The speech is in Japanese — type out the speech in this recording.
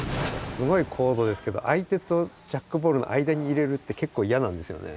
すごい高度ですけど相手とジャックボールの間に入れるって結構いやなんですよね。